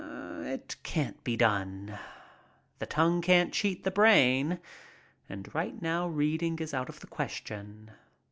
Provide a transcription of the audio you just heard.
It can't be done. The tongue can't cheat the brain, and right now reading is out of the question.